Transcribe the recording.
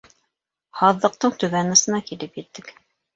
Һаҙлыҡтың түбән осона килеп еттек.